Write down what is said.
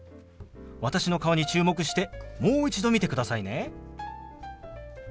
私の顔に注目してもう一度見てくださいね。